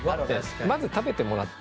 まず食べてもらって。